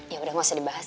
yaudah nggak usah dibahas